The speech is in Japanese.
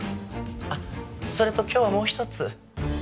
あっそれと今日はもう一つ。